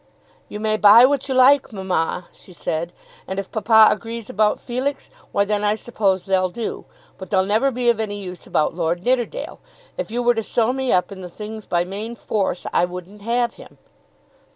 "You may buy what you like, mamma," she said; "and if papa agrees about Felix, why then I suppose they'll do. But they'll never be of any use about Lord Nidderdale. If you were to sew me up in the things by main force, I wouldn't have him."